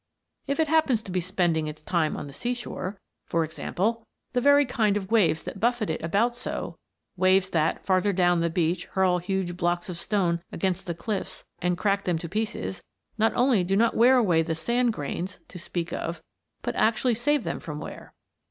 If it happens to be spending its time on the seashore, for example, the very same kind of waves that buffet it about so, waves that, farther down the beach hurl huge blocks of stone against the cliffs and crack them to pieces, not only do not wear away the sand grains, to speak of, but actually save them from wear.